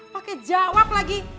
pakai jawab lagi